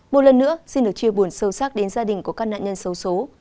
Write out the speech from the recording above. một lần nữa xin được chia buồn sâu sắc đến gia đình của các nạn nhân sâu xố